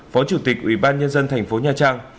phó chủ tịch ủy ban nhân dân thành phố nha trang